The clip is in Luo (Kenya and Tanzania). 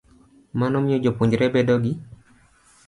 Mano miyo jopuonjre bedo gi .